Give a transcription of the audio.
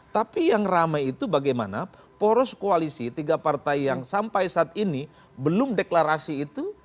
tapi yang ramai itu bagaimana poros koalisi tiga partai yang sampai saat ini belum deklarasi itu